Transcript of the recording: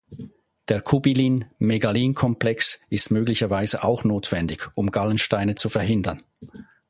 Der Cubilin:Megalin-Komplex ist möglicherweise auch notwendig, um Gallensteine zu verhindern.